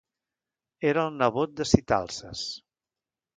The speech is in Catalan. Era el nebot de Sitalces.